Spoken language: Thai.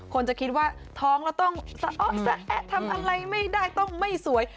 คนจะคิดว่าท้องแล้วต้องสะอ้อแซะทำอะไรไม่ได้ต้องไม่สวย